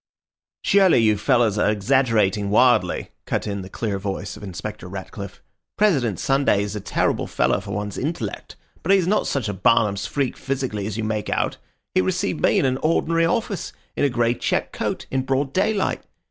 "Surely you fellows are exaggerating wildly," cut in the clear voice of Inspector Ratcliffe. "President Sunday is a terrible fellow for one's intellect, but he is not such a Barnum's freak physically as you make out. He received me in an ordinary office, in a grey check coat, in broad daylight.